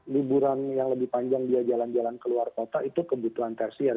liburan yang lebih panjang dia jalan jalan ke luar kota itu kebutuhan tersier